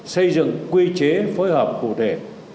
xây dựng quy chế phối hợp cụ thể